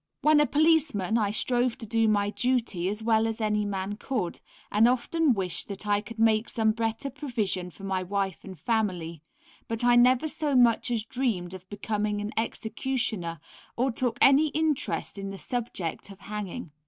When a policeman I strove to do my duty as well as any man could, and often wished that I could make some better provision for my wife and family, but I never so much as dreamed of becoming an executioner, or took any interest in the subject of hanging.